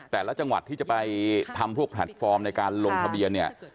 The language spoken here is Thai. แต่ละจังหวัดที่จะไปทำพวกแพลตฟอร์มในการลงทะเบียนเนี่ย